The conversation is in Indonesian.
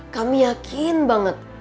kami yakin banget